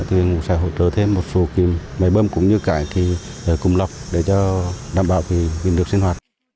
thì sẽ hỗ trợ thêm một số cái máy bơm cũng như cái thì cùng lọc để cho đảm bảo thì mình được sinh hoạt